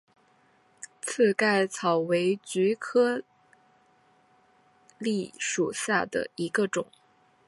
刺盖草为菊科蓟属下的一个种。